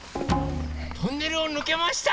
トンネルをぬけました！